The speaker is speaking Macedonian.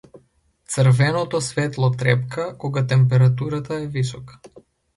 Црвеното светло трепка кога температурата е висока.